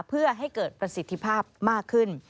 เพื่อให้เกิดประสิทธิภาพมากขึ้น